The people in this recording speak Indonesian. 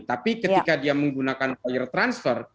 tapi ketika dia menggunakan buyer transfer